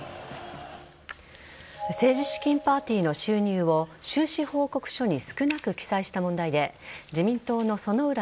政治資金パーティーの収入を収支報告書に少なく記載した問題で自民党の薗浦